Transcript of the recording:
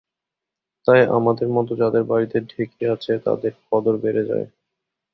তাই আমাদের মতো যাঁদের বাড়িতে ঢেঁকি আছে, তাঁদের কদর বেড়ে যায়।